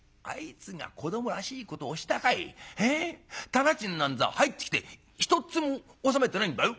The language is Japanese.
店賃なんざ入ってきてひとっつも納めてないんだよ。